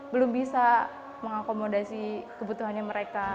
belum bisa mengakomodasi kebutuhannya mereka